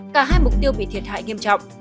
cả hai mục tiêu bị thiệt hại nghiêm trọng